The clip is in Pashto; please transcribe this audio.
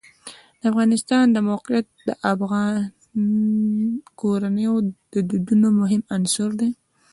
د افغانستان د موقعیت د افغان کورنیو د دودونو مهم عنصر دی.